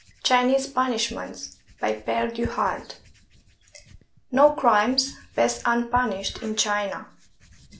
CHINESE PUNISHMENTS BY pI:re du halde No crimes pass unpunished in China.